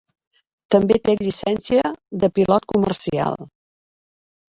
També té llicència de pilot comercial.